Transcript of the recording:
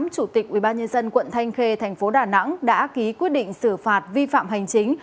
chủ tịch ubnd quận thanh khê thành phố đà nẵng đã ký quyết định xử phạt vi phạm hành chính